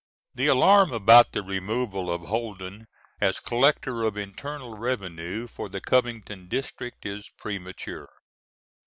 The alarm about the removal of Holden as Collector of Internal Revenue for the Covington district is premature.